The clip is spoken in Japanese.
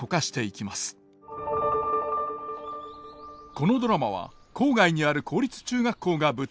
このドラマは郊外にある公立中学校が舞台。